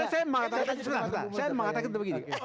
saya mengatakan begini